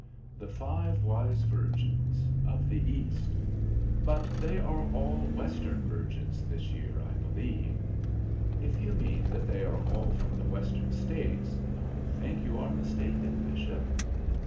The five wise virgins of the East? But they are all Western virgins this year, I believe." "If you mean that they are all from the Western States, I think you are mistaken, Bishop."